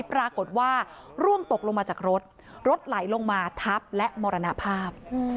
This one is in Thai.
ปรากฏว่าร่วงตกลงมาจากรถรถไหลลงมาทับและมรณภาพ